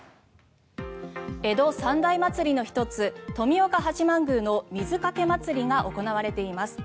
江戸三大祭りの１つ富岡八幡宮の水かけ祭りが行われています。